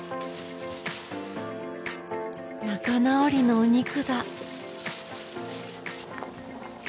仲直りのお肉だ